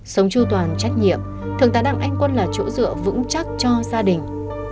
sống tru toàn trách nhiệm thường tán đặng anh quân là chỗ dựa vững chắc cho gia đình